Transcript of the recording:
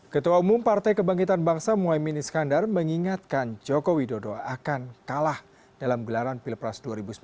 ketua umum partai kebangkitan bangsa muhaymin iskandar mengingatkan joko widodo akan kalah dalam gelaran pilpres dua ribu sembilan belas